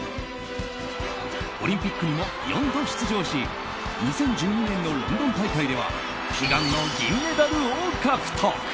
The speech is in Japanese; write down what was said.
オリンピックにも４度出場し２０１２年のロンドン大会では悲願の銀メダルを獲得。